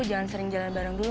jangan sering jalan bareng dulu